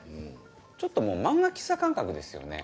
ちょっともう漫画喫茶感覚ですよね？